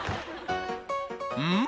うん？